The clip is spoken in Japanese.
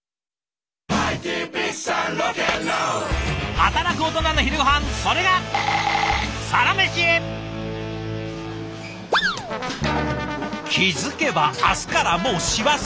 働くオトナの昼ごはんそれが気付けば明日からもう師走。